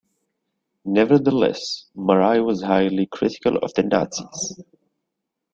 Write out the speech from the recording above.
Nevertheless, Márai was highly critical of the Nazis.